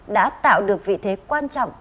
đã tạo được vị thế quan trọng